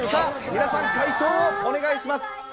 皆さん解答をお願いします。